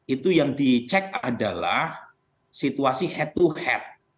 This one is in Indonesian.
itu yang dicek adalah situasi head to head